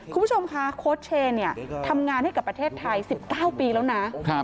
คุณผู้ชมคะโค้ชเชย์ทำงานให้กับประเทศไทย๑๙ปีแล้วนะ